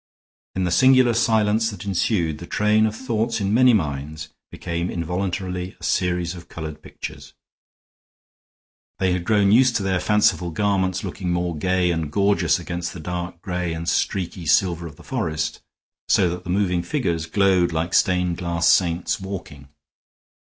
In the singular silence that ensued, the train of thought in many minds became involuntarily a series of colored pictures. They had grown used to their fanciful garments looking more gay and gorgeous against the dark gray and streaky silver of the forest, so that the moving figures glowed like stained glass saints walking.